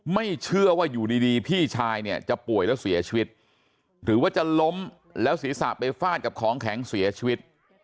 ไม่เชื่อว่าอยู่ดีพี่ชายเนี่ยจะป่วยแล้วเสียชีวิตหรือว่าจะล้มแล้วศีรษะไปฟาดกับของแข็งเสียชีวิต